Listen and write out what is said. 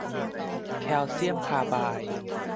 แคลเซียมคาร์ไบด์